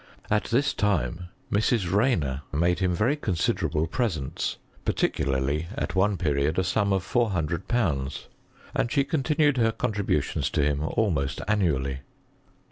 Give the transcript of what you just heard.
At this time Mrs. Rayner made him very considerable presents, particularly at one period a sum of 400/. ; and she continued her contributions to him almost annually.